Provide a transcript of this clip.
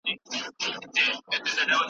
کلونه واوښتل عمرونه تېر سول